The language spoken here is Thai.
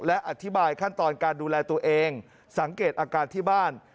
และอธิบายขั้นตอนการดูแลตัวเองสังเกตอาการที่บ้าน